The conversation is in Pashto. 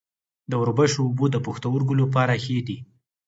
د وربشو اوبه د پښتورګو لپاره ښې دي.